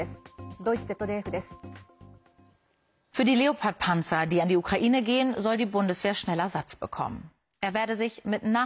ドイツＺＤＦです。